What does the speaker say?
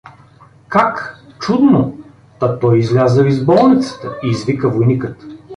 — Как? Чудно… Та той излязъл из болницата? — извика войникът.